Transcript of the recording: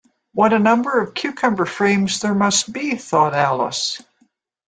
‘What a number of cucumber-frames there must be!’ thought Alice.